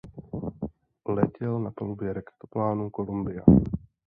Letěl na palubě raketoplánu Columbia.